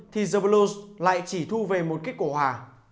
thì the blues lại chỉ thu về một kết quả hạ